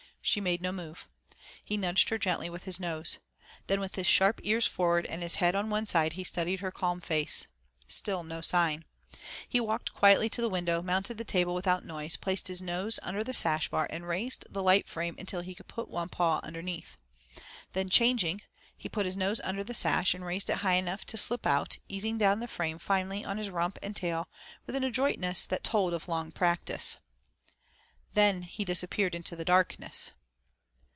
She made no move. He nudged her gently with his nose. Then, with his sharp ears forward and his head on one side he studied her calm face. Still no sign. He walked quietly to the window, mounted the table without noise, placed his nose under the sash bar and raised the light frame until he could put one paw underneath. Then changing, he put his nose under the sash and raised it high enough to slip out, easing down the frame finally on his rump and tail with an adroitness that told of long practice. Then he disappeared into the darkness.